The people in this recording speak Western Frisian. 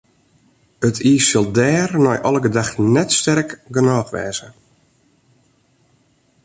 It iis sil dêr nei alle gedachten net sterk genôch wêze.